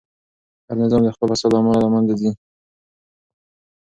هر نظام د خپل فساد له امله له منځه ځي.